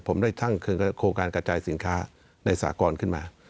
ผมได้ตั้งโครงการกระจายสินค้าในสากรขึ้นมา